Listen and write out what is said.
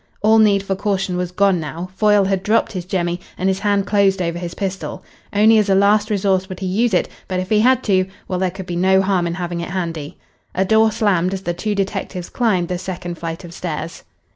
All need for caution was gone now. Foyle had dropped his jemmy and his hand closed over his pistol. Only as a last resource would he use it, but if he had to well, there could be no harm in having it handy. A door slammed as the two detectives climbed the second flight of stairs.